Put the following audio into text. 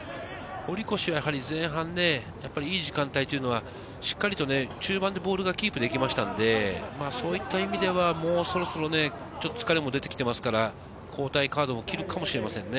堀越は前半ね、いい時間帯というのは、しっかりと中盤でボールをキープできましたので、そういう意味ではもうそろそろ疲れも出てきていますから交代カードを切るかもしれませんね。